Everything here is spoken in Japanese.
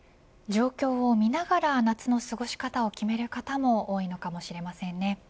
状況をみながら夏の過ごし方を決める方も多いのかもしれませんね。